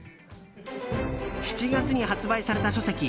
７月に発売された書籍